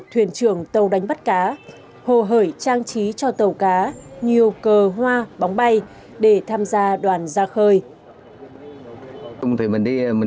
thuyền trưởng tàu đánh bắt cá hồ hởi trang trí cho tàu cá nhiều cờ hoa bóng bay để tham gia đoàn ra khơi